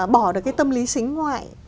bỏ được cái tâm lý xính ngoại